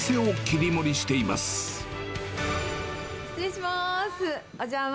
失礼します。